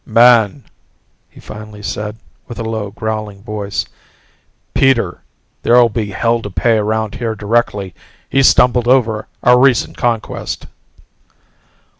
"Man," he said finally with a low growling voice. "Peter, there'll be hell to pay around here directly. He's stumbled over our recent conquest."